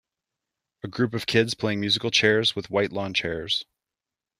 A group of kids play musical chairs with white lawn chairs.